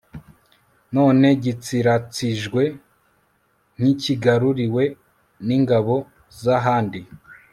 none gitsiratsijwe nk'ikigaruriwe n'ingabo z'ahandi